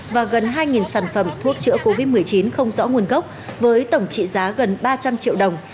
và gần hai sản phẩm thuốc chữa covid một mươi chín không rõ nguồn gốc với tổng trị giá gần ba trăm linh triệu đồng